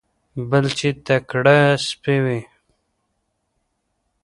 بل چې تکړه سپی وي.